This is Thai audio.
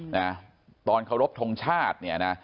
นะฮะตอนเคาร่บทรงชาติเนี่ยนะฮะ